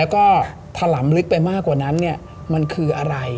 แล้วก็ถลำลึกไปมากกว่านั้นมันคืออะไร